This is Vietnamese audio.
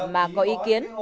mà có ý kiến